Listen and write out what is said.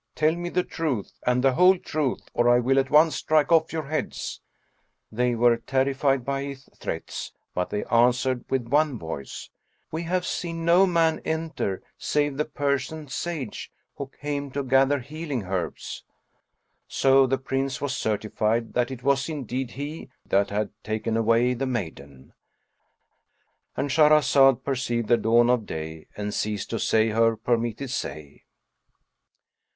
Tell me the truth and the whole truth or I will at once strike off your heads." They were terrified by his threats; but they answered with one voice, "We have seen no man enter save the Persian sage, who came to gather healing herbs." So the Prince was certified that it was indeed he that had taken away the maiden,—And Shahrazad perceived the dawn of day and ceased to say her permitted say.